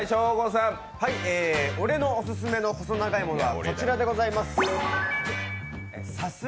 俺のオススメの細長いものはこちらでございます。